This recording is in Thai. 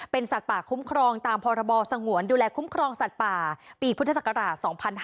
เป็นสัตว์ป่าคุ้มครองตามพศดูแลคุ้มครองสัตว์ป่าปีพศ๒๕๓๕